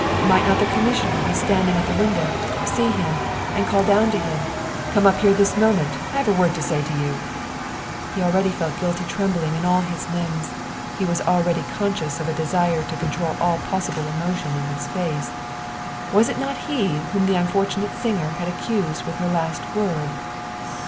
Might not the commissioner be standing at the window, see him, and call down to him, " Come up here a moment, I have a word to say to you "? He al ready felt a guilty trembling in all his limbs ; he was already conscious of a desire to control all possible emotion in his face. Was it not he whom the unfortunate singer had ac cused with her last word?